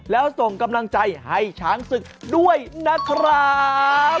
แล้วส่งกำลังใจให้ช้างศึกด้วยนะครับ